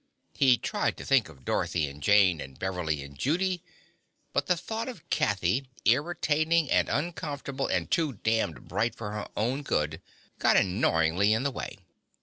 He tried to think of Dorothy and Jayne and Beverly and Judy, but the thought of Kathy, irritating and uncomfortable and too damned bright for her own good, got annoyingly in the way.